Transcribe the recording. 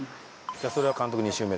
じゃあそれは監督２周目。